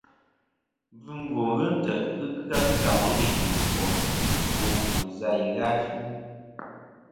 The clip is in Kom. Mbvɨngwo ghɨ ntè' ghɨ kɨ-a kɨ camelûn i jɨm bòm ndo àfvɨ zɨ a i ghɨ a fu.